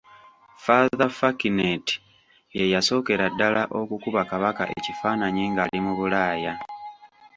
Father Fouquenet ye yasookera ddala okukuba Kabaka ekifaananyi ng'ali mu Bulaaya.